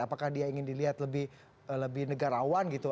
apakah dia ingin dilihat lebih negarawan gitu